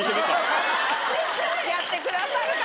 やってくださるかな？